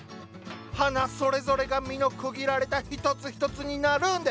花それぞれが実の区切られた一つ一つになるんです。